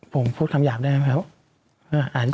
ผมพูดคำหยาบได้ไหมครับ